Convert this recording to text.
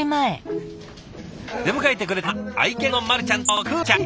出迎えてくれたのは愛犬のまるちゃんとくーちゃん。